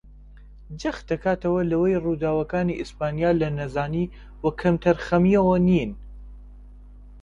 جەخت دەکاتەوە لەوەی ڕووداوەکانی ئیسپانیا لە نەزانی و کەمتەرخەمییەوە نین